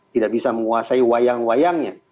tidak bisa menguasai wayang wayangnya